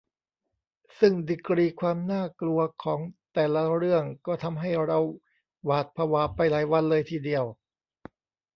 ซึ่งดีกรีความน่ากลัวของแต่ละเรื่องก็ทำให้เราหวาดผวาไปหลายวันเลยทีเดียว